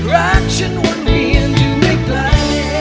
รักฉันวันเวียนที่ไม่ไกล